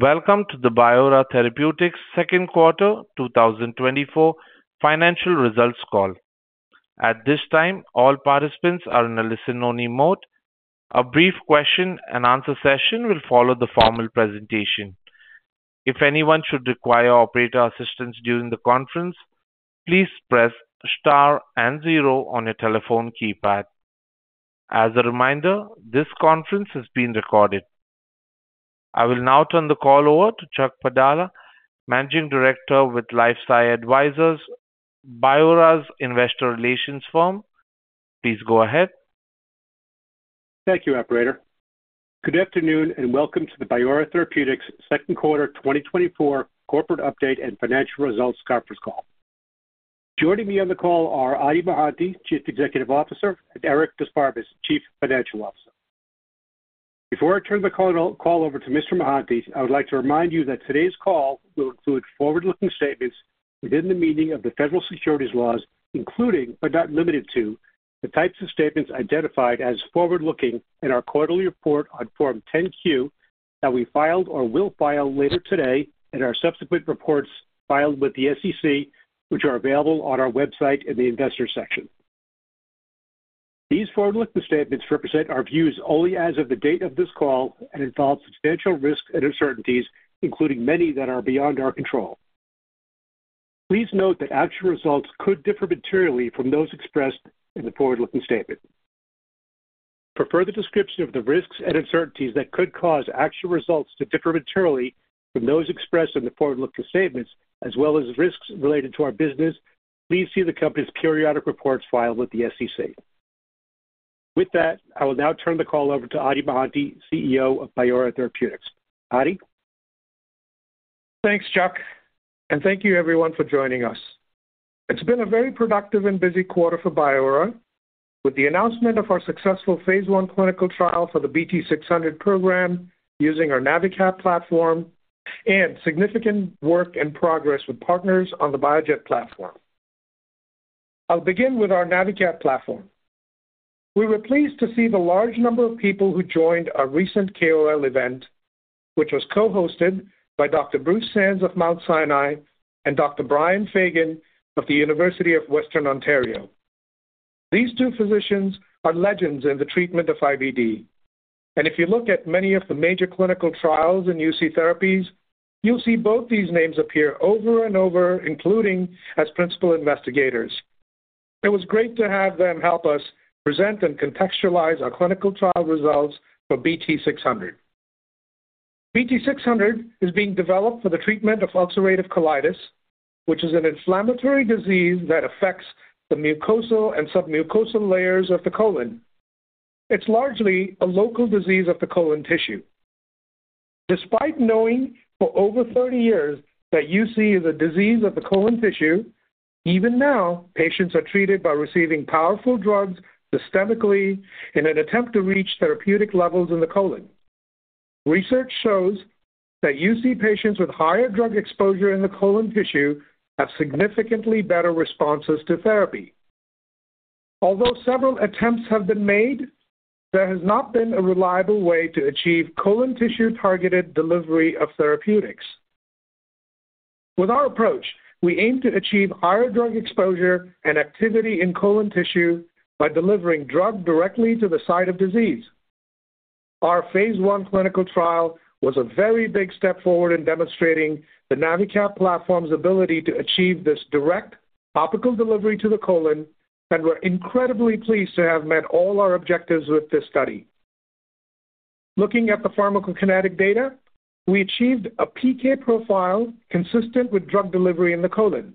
Welcome to the Biora Therapeutics second quarter 2024 financial results call. At this time, all participants are in a listen-only mode. A brief question-and-answer session will follow the formal presentation. If anyone should require operator assistance during the conference, please press star and zero on your telephone keypad. As a reminder, this conference is being recorded. I will now turn the call over to Chuck Padala, Managing Director with LifeSci Advisors, Biora's investor relations firm. Please go ahead. Thank you, operator. Good afternoon, and welcome to the Biora Therapeutics second quarter 2024 corporate update and financial results conference call. Joining me on the call are Adi Mohanty, Chief Executive Officer, and Eric d'Esparbes, Chief Financial Officer. Before I turn the call over to Mr. Mohanty, I would like to remind you that today's call will include forward-looking statements within the meaning of the federal securities laws, including, but not limited to, the types of statements identified as forward-looking in our quarterly report on Form 10-Q that we filed or will file later today, and our subsequent reports filed with the SEC, which are available on our website in the Investors section. These forward-looking statements represent our views only as of the date of this call and involve substantial risks and uncertainties, including many that are beyond our control. Please note that actual results could differ materially from those expressed in the forward-looking statement. For further description of the risks and uncertainties that could cause actual results to differ materially from those expressed in the forward-looking statements, as well as risks related to our business, please see the company's periodic reports filed with the SEC. With that, I will now turn the call over to Adi Mohanty, CEO of Biora Therapeutics. Adi? Thanks, Chuck, and thank you everyone for joining us. It's been a very productive and busy quarter for Biora. With the announcement of our successful Phase 1 clinical trial for the BT-600 program using our NaviCap platform and significant work and progress with partners on the BioJet platform. I'll begin with our NaviCap platform. We were pleased to see the large number of people who joined our recent KOL event, which was co-hosted by Dr. Bruce Sands of Mount Sinai and Dr. Brian Feagan of the University of Western Ontario. These two physicians are legends in the treatment of IBD, and if you look at many of the major clinical trials in UC therapies, you'll see both these names appear over and over, including as principal investigators. It was great to have them help us present and contextualize our clinical trial results for BT-600. BT-600 is being developed for the treatment of ulcerative colitis, which is an inflammatory disease that affects the mucosal and submucosal layers of the colon. It's largely a local disease of the colon tissue. Despite knowing for over 30 years that UC is a disease of the colon tissue, even now, patients are treated by receiving powerful drugs systemically in an attempt to reach therapeutic levels in the colon. Research shows that UC patients with higher drug exposure in the colon tissue have significantly better responses to therapy. Although several attempts have been made, there has not been a reliable way to achieve colon tissue-targeted delivery of therapeutics. With our approach, we aim to achieve higher drug exposure and activity in colon tissue by delivering drug directly to the site of disease. Our phase one clinical trial was a very big step forward in demonstrating the NaviCap platform's ability to achieve this direct topical delivery to the colon, and we're incredibly pleased to have met all our objectives with this study. Looking at the pharmacokinetic data, we achieved a PK profile consistent with drug delivery in the colon.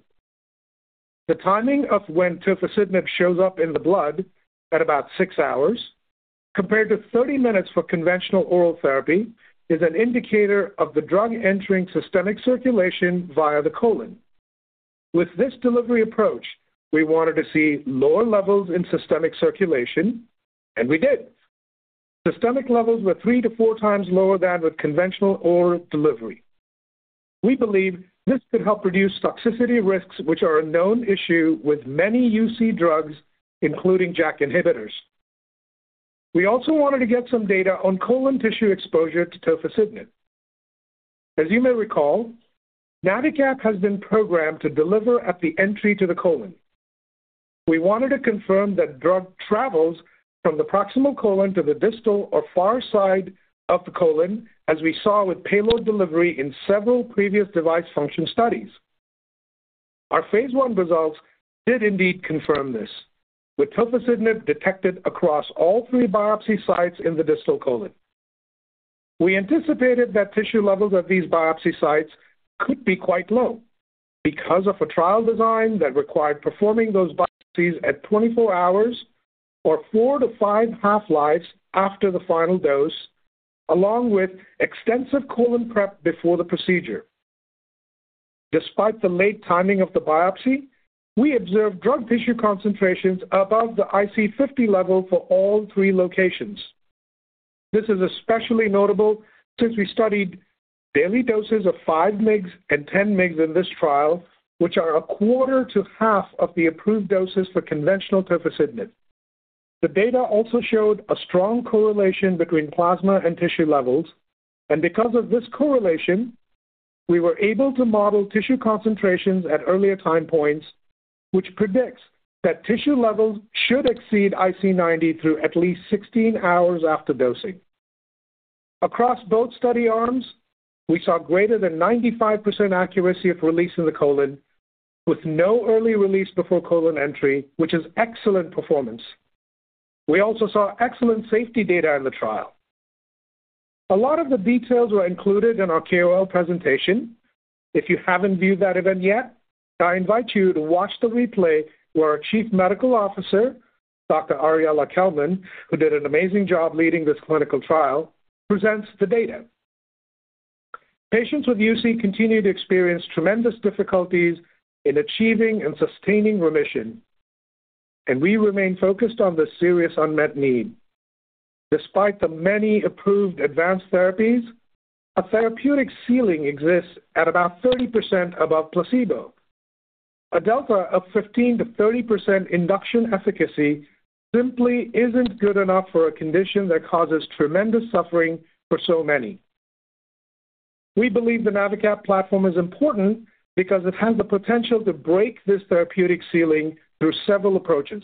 The timing of when tofacitinib shows up in the blood at about 6 hours, compared to 30 minutes for conventional oral therapy, is an indicator of the drug entering systemic circulation via the colon. With this delivery approach, we wanted to see lower levels in systemic circulation, and we did. Systemic levels were 3-4 times lower than with conventional oral delivery. We believe this could help reduce toxicity risks, which are a known issue with many UC drugs, including JAK inhibitors. We also wanted to get some data on colon tissue exposure to tofacitinib. As you may recall, NaviCap has been programmed to deliver at the entry to the colon. We wanted to confirm that drug travels from the proximal colon to the distal or far side of the colon, as we saw with payload delivery in several previous device function studies. Our Phase 1 results did indeed confirm this, with tofacitinib detected across all 3 biopsy sites in the distal colon. We anticipated that tissue levels at these biopsy sites could be quite low because of a trial design that required performing those biopsies at 24 hours or 4 to 5 half-lives after the final dose, along with extensive colon prep before the procedure. Despite the late timing of the biopsy, we observed drug tissue concentrations above the IC50 level for all 3 locations. This is especially notable since we studied daily doses of 5 mg and 10 mg in this trial, which are a quarter to half of the approved doses for conventional tofacitinib. The data also showed a strong correlation between plasma and tissue levels, and because of this correlation, we were able to model tissue concentrations at earlier time points, which predicts that tissue levels should exceed IC90 through at least 16 hours after dosing. Across both study arms, we saw greater than 95% accuracy of release in the colon, with no early release before colon entry, which is excellent performance. We also saw excellent safety data in the trial. A lot of the details were included in our KOL presentation. If you haven't viewed that event yet, I invite you to watch the replay where our Chief Medical Officer, Dr. Ariella Kelman, who did an amazing job leading this clinical trial, presents the data. Patients with UC continue to experience tremendous difficulties in achieving and sustaining remission, and we remain focused on this serious unmet need. Despite the many approved advanced therapies, a therapeutic ceiling exists at about 30% above placebo. A delta of 15%-30% induction efficacy simply isn't good enough for a condition that causes tremendous suffering for so many. We believe the NaviCap platform is important because it has the potential to break this therapeutic ceiling through several approaches.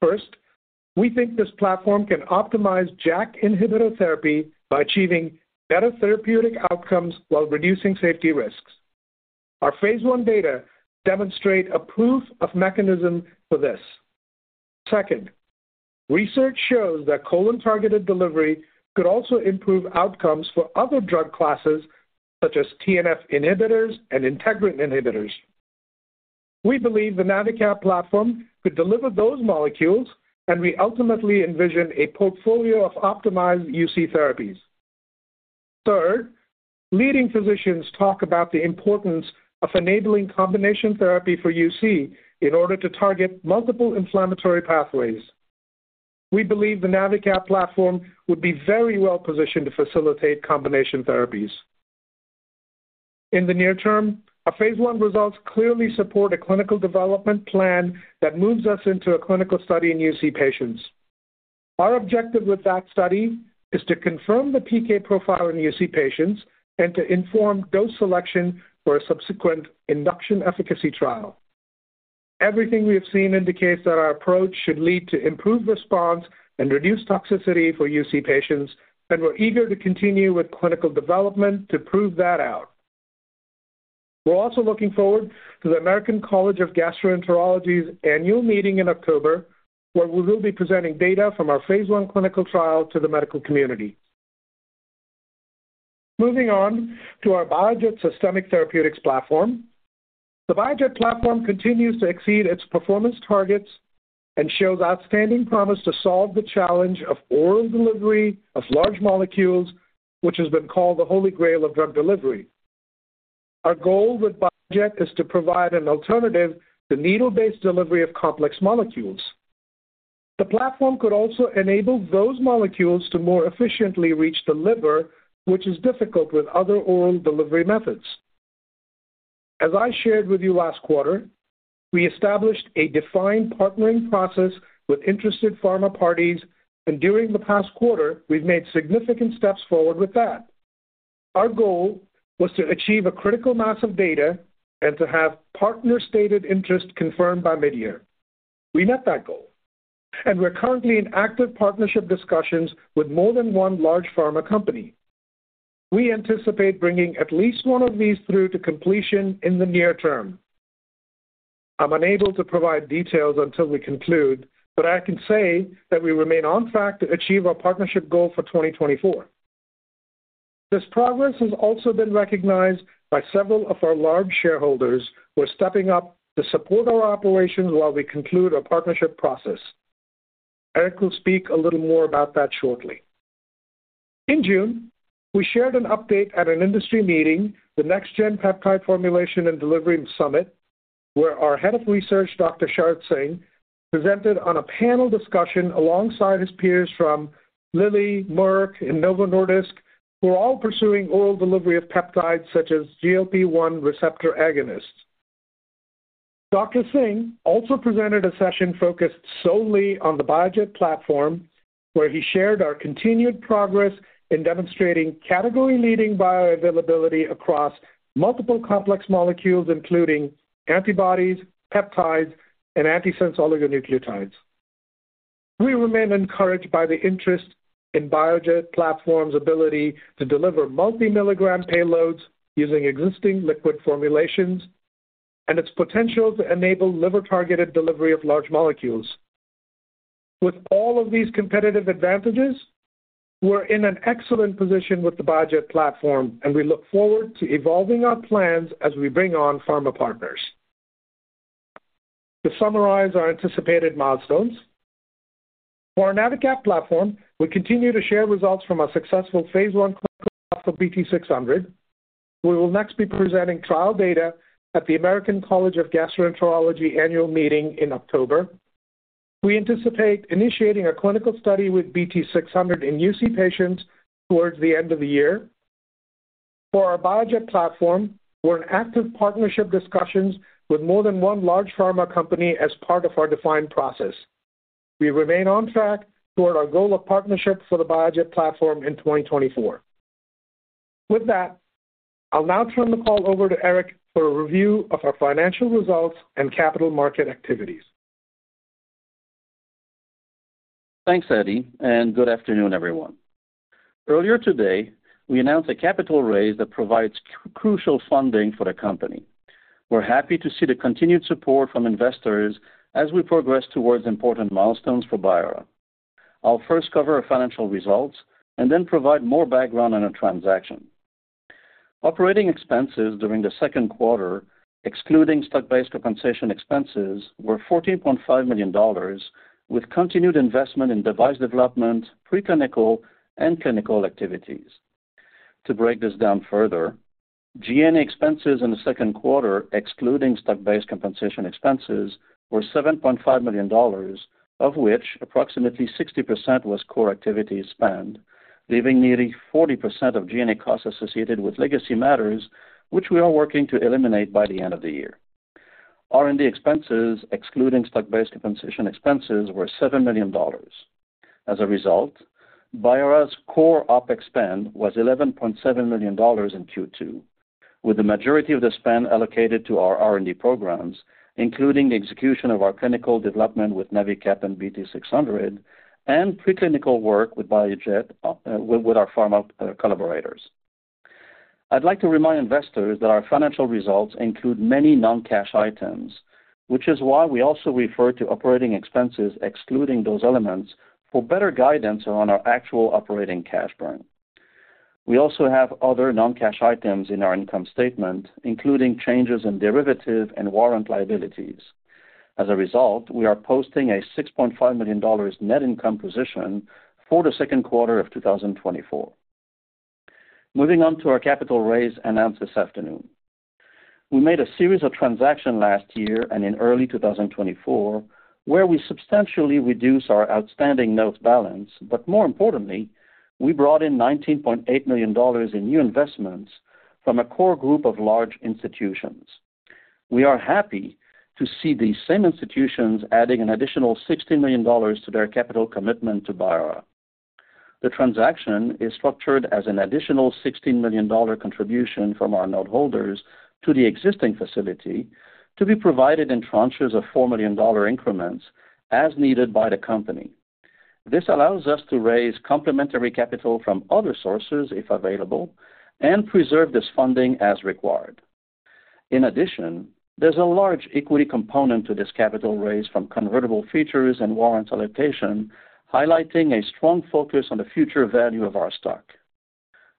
First, we think this platform can optimize JAK inhibitor therapy by achieving better therapeutic outcomes while reducing safety risks. Our Phase 1 data demonstrate a proof of mechanism for this. Second, research shows that colon-targeted delivery could also improve outcomes for other drug classes, such as TNF inhibitors and integrin inhibitors. We believe the NaviCap platform could deliver those molecules, and we ultimately envision a portfolio of optimized UC therapies. Third, leading physicians talk about the importance of enabling combination therapy for UC in order to target multiple inflammatory pathways. We believe the NaviCap platform would be very well positioned to facilitate combination therapies. In the near term, our Phase 1 results clearly support a clinical development plan that moves us into a clinical study in UC patients. Our objective with that study is to confirm the PK profile in UC patients and to inform dose selection for a subsequent induction efficacy trial. Everything we have seen indicates that our approach should lead to improved response and reduced toxicity for UC patients, and we're eager to continue with clinical development to prove that out. We're also looking forward to the American College of Gastroenterology's annual meeting in October, where we will be presenting data from our Phase 1 clinical trial to the medical community. Moving on to our BioJet systemic therapeutics platform. The BioJet platform continues to exceed its performance targets and shows outstanding promise to solve the challenge of oral delivery of large molecules, which has been called the holy grail of drug delivery. Our goal with BioJet is to provide an alternative to needle-based delivery of complex molecules. The platform could also enable those molecules to more efficiently reach the liver, which is difficult with other oral delivery methods. As I shared with you last quarter, we established a defined partnering process with interested pharma parties, and during the past quarter, we've made significant steps forward with that. Our goal was to achieve a critical mass of data and to have partner-stated interest confirmed by midyear. We met that goal, and we're currently in active partnership discussions with more than one large pharma company. We anticipate bringing at least one of these through to completion in the near term. I'm unable to provide details until we conclude, but I can say that we remain on track to achieve our partnership goal for 2024. This progress has also been recognized by several of our large shareholders, who are stepping up to support our operations while we conclude our partnership process. Eric will speak a little more about that shortly. In June, we shared an update at an industry meeting, the NextGen Peptide Formulation and Delivery Summit, where our head of research, Dr. Sharat Singh presented on a panel discussion alongside his peers from Lilly, Merck, and Novo Nordisk, who are all pursuing oral delivery of peptides such as GLP-1 receptor agonists. Dr. Singh also presented a session focused solely on the BioJet platform, where he shared our continued progress in demonstrating category-leading bioavailability across multiple complex molecules, including antibodies, peptides, and antisense oligonucleotides. We remain encouraged by the interest in BioJet platform's ability to deliver multi-milligram payloads using existing liquid formulations and its potential to enable liver-targeted delivery of large molecules. With all of these competitive advantages, we're in an excellent position with the BioJet platform, and we look forward to evolving our plans as we bring on pharma partners. To summarize our anticipated milestones, for our NaviCap platform, we continue to share results from our successful phase 1 clinical trial for BT-600. We will next be presenting trial data at the American College of Gastroenterology annual meeting in October. We anticipate initiating a clinical study with BT-600 in UC patients towards the end of the year. For our BioJet platform, we're in active partnership discussions with more than one large pharma company as part of our defined process. We remain on track toward our goal of partnership for the BioJet platform in 2024. With that, I'll now turn the call over to Eric for a review of our financial results and capital market activities. Thanks, Adi, and good afternoon, everyone. Earlier today, we announced a capital raise that provides crucial funding for the company. We're happy to see the continued support from investors as we progress towards important milestones for Biora. I'll first cover our financial results and then provide more background on our transaction. Operating expenses during the second quarter, excluding stock-based compensation expenses, were $14.5 million, with continued investment in device development, preclinical, and clinical activities. To break this down further, G&A expenses in the second quarter, excluding stock-based compensation expenses, were $7.5 million, of which approximately 60% was core activity spend, leaving nearly 40% of G&A costs associated with legacy matters, which we are working to eliminate by the end of the year. R&D expenses, excluding stock-based compensation expenses, were $7 million. As a result, Biora's core OpEx spend was $11.7 million in Q2, with the majority of the spend allocated to our R&D programs, including the execution of our clinical development with NaviCap and BT-600 and preclinical work with BioJet with our pharma collaborators. I'd like to remind investors that our financial results include many non-cash items, which is why we also refer to operating expenses, excluding those elements, for better guidance on our actual operating cash burn. We also have other non-cash items in our income statement, including changes in derivative and warrant liabilities. As a result, we are posting a $6.5 million net income position for the second quarter of 2024. Moving on to our capital raise announced this afternoon. We made a series of transaction last year and in early 2024, where we substantially reduce our outstanding notes balance, but more importantly, we brought in $19.8 million in new investments from a core group of large institutions. We are happy to see these same institutions adding an additional $16 million to their capital commitment to Biora. The transaction is structured as an additional $16 million contribution from our noteholders to the existing facility to be provided in tranches of $4 million increments as needed by the company. This allows us to raise complementary capital from other sources, if available, and preserve this funding as required. In addition, there's a large equity component to this capital raise from convertible features and warrant allocation, highlighting a strong focus on the future value of our stock.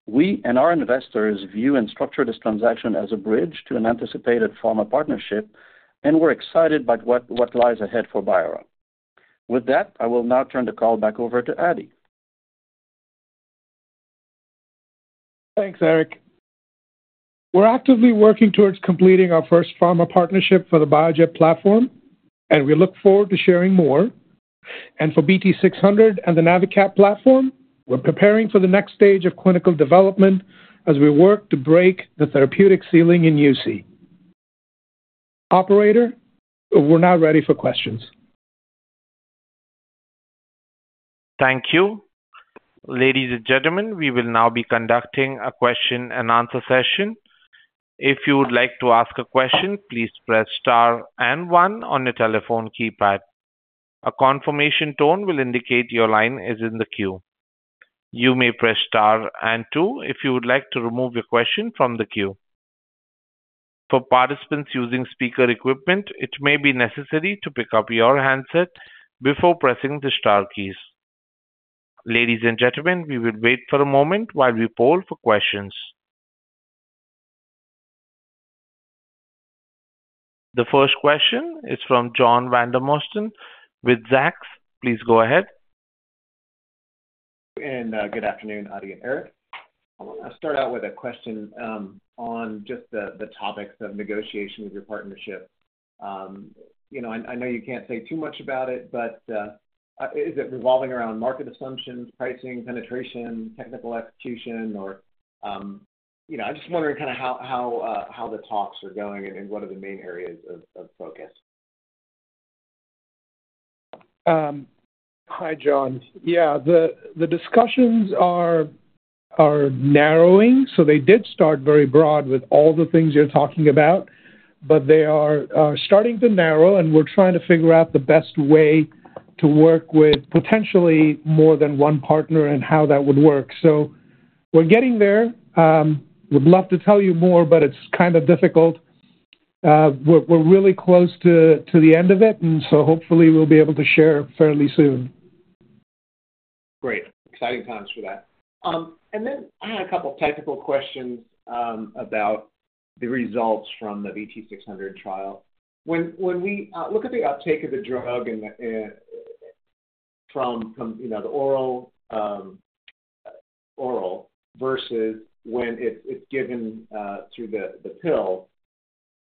We and our investors view and structure this transaction as a bridge to an anticipated pharma partnership, and we're excited about what lies ahead for Biora. With that, I will now turn the call back over to Adi. Thanks, Eric. We're actively working towards completing our first pharma partnership for the BioJet platform, and we look forward to sharing more. For BT-600 and the NaviCap platform, we're preparing for the next stage of clinical development as we work to break the therapeutic ceiling in UC. Operator, we're now ready for questions. Thank you. Ladies and gentlemen, we will now be conducting a question-and-answer session. If you would like to ask a question, please press star and one on your telephone keypad. A confirmation tone will indicate your line is in the queue. You may press star and two if you would like to remove your question from the queue. For participants using speaker equipment, it may be necessary to pick up your handset before pressing the star keys. Ladies and gentlemen, we will wait for a moment while we poll for questions. The first question is from John Vandermosten with Zacks. Please go ahead. Good afternoon, Adi and Eric. I want to start out with a question on just the topics of negotiation with your partnership. You know, I know you can't say too much about it, but is it revolving around market assumptions, pricing, penetration, technical execution, or you know, I'm just wondering kinda how the talks are going and what are the main areas of focus? Hi, John. Yeah, the discussions are narrowing, so they did start very broad with all the things you're talking about, but they are starting to narrow, and we're trying to figure out the best way to work with potentially more than one partner and how that would work. So we're getting there. Would love to tell you more, but it's kind of difficult. We're really close to the end of it, and so hopefully we'll be able to share fairly soon. Great. Exciting times for that. And then I had a couple of technical questions about the results from the BT-600 trial. When we look at the uptake of the drug and from you know the oral versus when it's given through the pill.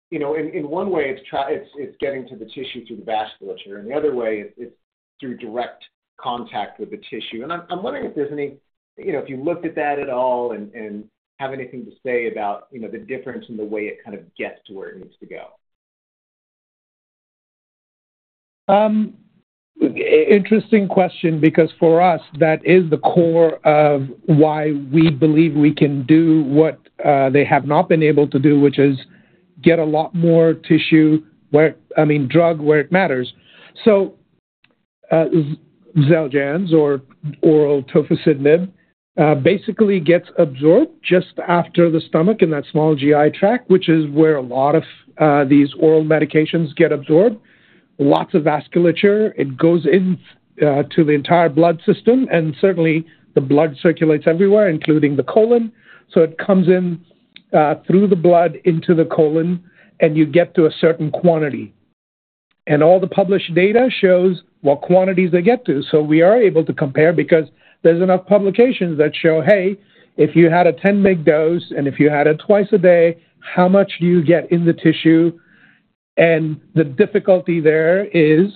You know, in one way, it's getting to the tissue through the vasculature, and the other way, it's through direct contact with the tissue. And I'm wondering if there's any you know if you looked at that at all and have anything to say about you know the difference in the way it kind of gets to where it needs to go? Interesting question, because for us, that is the core of why we believe we can do what they have not been able to do, which is get a lot more tissue where—I mean, drug where it matters. So, Xeljanz or oral tofacitinib basically gets absorbed just after the stomach in that small GI tract, which is where a lot of these oral medications get absorbed. Lots of vasculature, it goes in to the entire blood system, and certainly, the blood circulates everywhere, including the colon. So it comes in through the blood into the colon, and you get to a certain quantity. And all the published data shows what quantities they get to. So we are able to compare because there's enough publications that show, hey, if you had a 10 mg dose, and if you had it twice a day, how much do you get in the tissue? And the difficulty there is,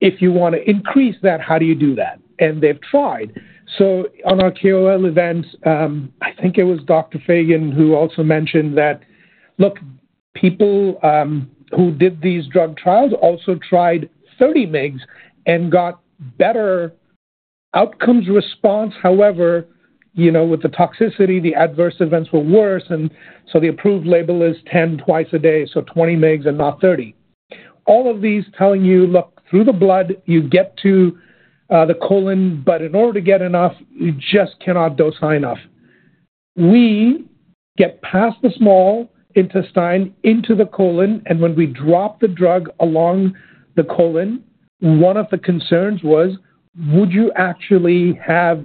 if you wanna increase that, how do you do that? And they've tried. So on our KOL events, I think it was Dr. Feagan who also mentioned that, "Look, people, who did these drug trials also tried 30 mg and got better outcomes response. However, you know, with the toxicity, the adverse events were worse, and so the approved label is 10 mg twice a day, so 20 mg and not 30." All of these telling you, look, through the blood, you get to the colon, but in order to get enough, you just cannot dose high enough. We get past the small intestine into the colon, and when we drop the drug along the colon, one of the concerns was, would you actually have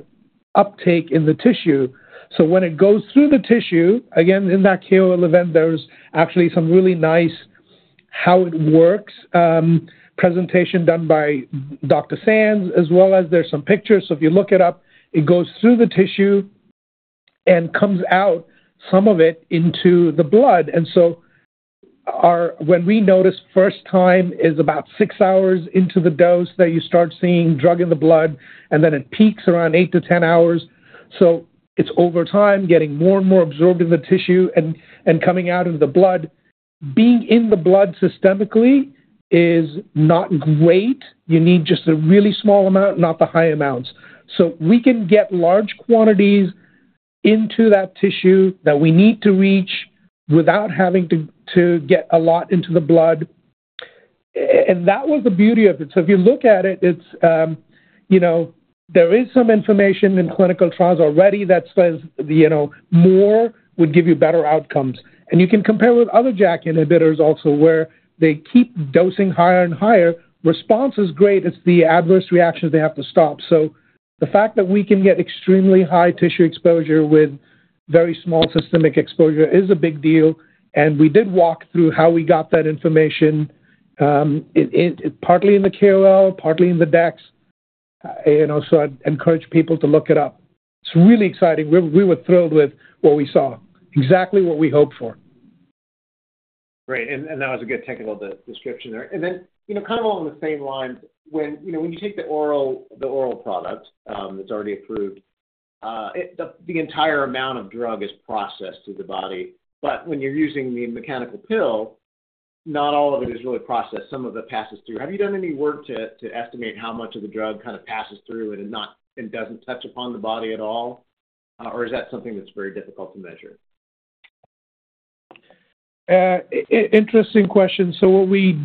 uptake in the tissue? So when it goes through the tissue, again, in that KOL event, there's actually some really nice how it works, presentation done by Dr. Sands, as well as there's some pictures. So if you look it up, it goes through the tissue and comes out, some of it, into the blood. And so, when we notice first time is about 6 hours into the dose that you start seeing drug in the blood, and then it peaks around 8-10 hours. So it's over time, getting more and more absorbed in the tissue and, and coming out into the blood. Being in the blood systemically is not great. You need just a really small amount, not the high amounts. So we can get large quantities into that tissue that we need to reach without having to get a lot into the blood. And that was the beauty of it. So if you look at it, it's, you know, there is some information in clinical trials already that says, you know, more would give you better outcomes. And you can compare with other JAK inhibitors also, where they keep dosing higher and higher. Response is great. It's the adverse reactions they have to stop. So the fact that we can get extremely high tissue exposure with very small systemic exposure is a big deal, and we did walk through how we got that information, partly in the KOL, partly in the decks. You know, so I'd encourage people to look it up. It's really exciting. We were, we were thrilled with what we saw, exactly what we hoped for. Great, and that was a good technical description there. And then, you know, kind of along the same lines, when, you know, when you take the oral, the oral product that's already approved, it. The entire amount of drug is processed through the body, but when you're using the mechanical pill, not all of it is really processed, some of it passes through. Have you done any work to estimate how much of the drug kind of passes through and doesn't touch upon the body at all? Or is that something that's very difficult to measure? Interesting question. So what we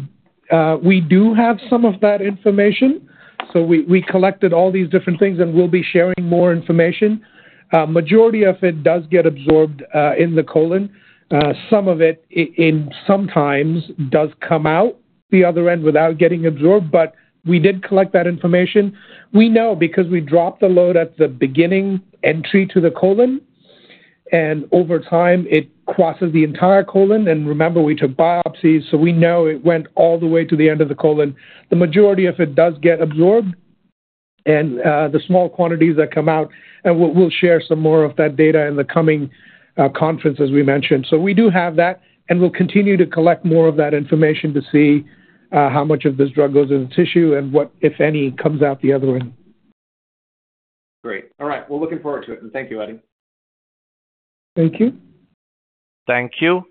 do have some of that information. So we collected all these different things, and we'll be sharing more information. Majority of it does get absorbed in the colon. Some of it sometimes does come out the other end without getting absorbed, but we did collect that information. We know because we dropped the load at the beginning entry to the colon, and over time, it crosses the entire colon. Remember, we took biopsies, so we know it went all the way to the end of the colon. The majority of it does get absorbed, and the small quantities that come out, and we'll share some more of that data in the coming conferences we mentioned. So we do have that, and we'll continue to collect more of that information to see how much of this drug goes in the tissue and what, if any, comes out the other end. Great. All right, we're looking forward to it. Thank you, Adi. Thank you. Thank you.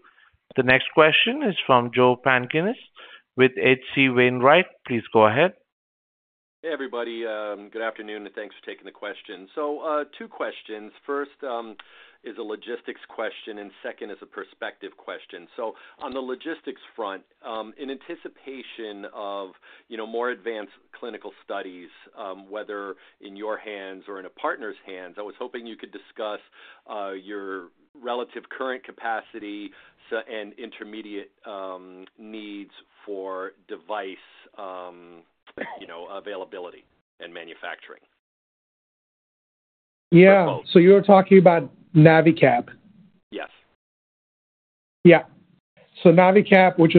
The next question is from Joseph Pantginis with H.C. Wainwright. Please go ahead. Hey, everybody. Good afternoon, and thanks for taking the question. So, two questions. First is a logistics question, and second is a perspective question. So on the logistics front, in anticipation of, you know, more advanced clinical studies, whether in your hands or in a partner's hands, I was hoping you could discuss your relative current capacity and intermediate needs for device, you know, availability and manufacturing. Yeah. For both. You're talking about NaviCap? Yes. Yeah. So NaviCap, which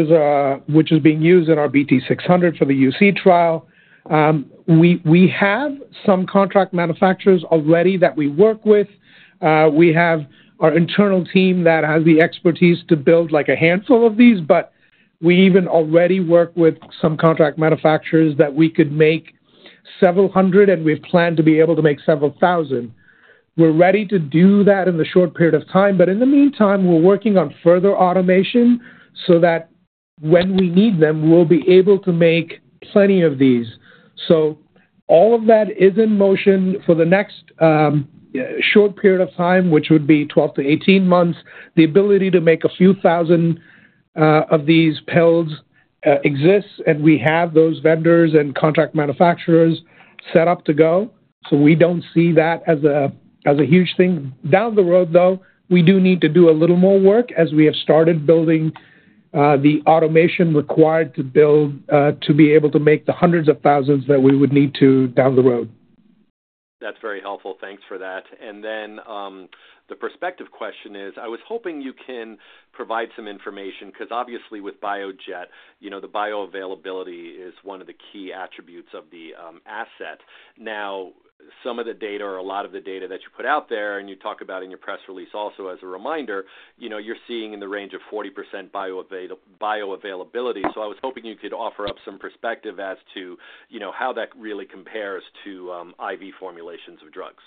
is being used in our BT-600 for the UC trial, we have some contract manufacturers already that we work with. We have our internal team that has the expertise to build, like, a handful of these, but we even already work with some contract manufacturers that we could make several hundred, and we plan to be able to make several thousand. We're ready to do that in the short period of time, but in the meantime, we're working on further automation so that when we need them, we'll be able to make plenty of these. So all of that is in motion for the next short period of time, which would be 12-18 months. The ability to make a few thousand of these pills exists, and we have those vendors and contract manufacturers set up to go, so we don't see that as a, as a huge thing. Down the road, though, we do need to do a little more work as we have started building the automation required to build to be able to make the hundreds of thousands that we would need to down the road. That's very helpful. Thanks for that. And then, the perspective question is, I was hoping you can provide some information, 'cause obviously with BioJet, you know, the bioavailability is one of the key attributes of the asset. Now, some of the data or a lot of the data that you put out there, and you talk about in your press release also as a reminder, you know, you're seeing in the range of 40% bioavailability. So I was hoping you could offer up some perspective as to, you know, how that really compares to IV formulations of drugs.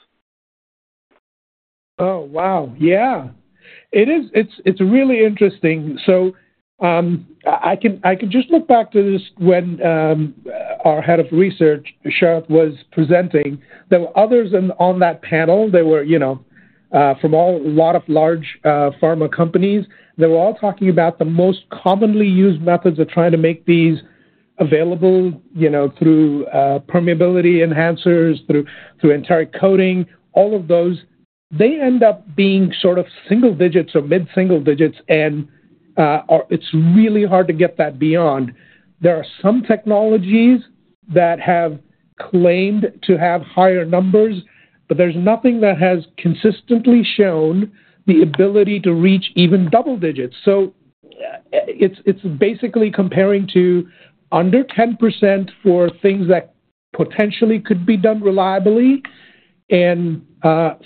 Oh, wow! Yeah. It is really interesting. So, I can just look back to this when our head of research, Sharat, was presenting. There were others on that panel. They were, you know, from a lot of large pharma companies. They were all talking about the most commonly used methods of trying to make these available, you know, through permeability enhancers, through enteric coating, all of those. They end up being sort of single digits or mid-single digits, and it's really hard to get that beyond. There are some technologies that have claimed to have higher numbers, but there's nothing that has consistently shown the ability to reach even double digits. So it's basically comparing to under 10% for things that potentially could be done reliably. And,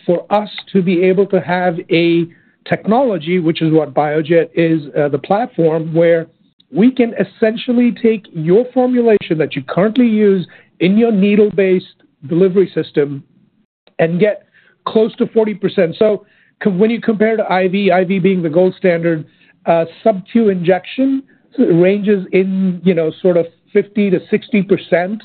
for us to be able to have a technology, which is what BioJet is, the platform, where we can essentially take your formulation that you currently use in your needle-based delivery system and get close to 40%. So when you compare to IV, IV being the gold standard, SubQ injection ranges in, you know, sort of 50%-60%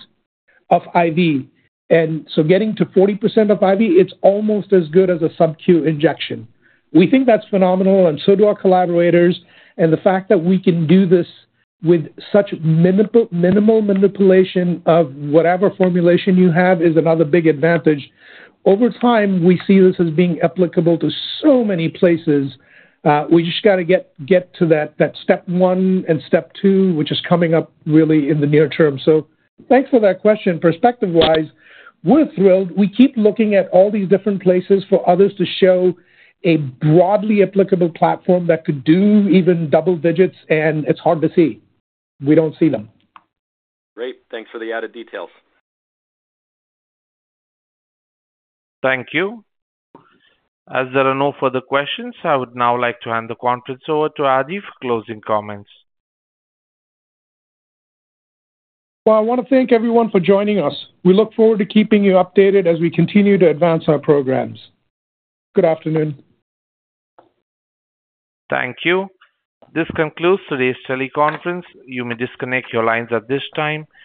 of IV. And so getting to 40% of IV, it's almost as good as a SubQ injection. We think that's phenomenal, and so do our collaborators, and the fact that we can do this with such minimal manipulation of whatever formulation you have is another big advantage. Over time, we see this as being applicable to so many places. We just gotta get to that step one and step two, which is coming up really in the near term. So thanks for that question. Perspective-wise, we're thrilled. We keep looking at all these different places for others to show a broadly applicable platform that could do even double digits, and it's hard to see. We don't see them. Great. Thanks for the added details. Thank you. As there are no further questions, I would now like to hand the conference over to Adi for closing comments. Well, I wanna thank everyone for joining us. We look forward to keeping you updated as we continue to advance our programs. Good afternoon. Thank you. This concludes today's teleconference. You may disconnect your lines at this time.